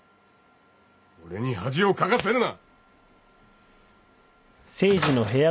俺に恥をかかせるな。